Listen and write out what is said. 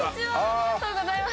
ありがとうございます。